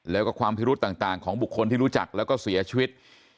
แล้วก็ความพิรุษต่างของบุคคลที่รู้จักแล้วก็เสียชีวิต